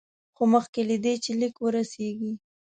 خو مخکې له دې چې لیک ورسیږي.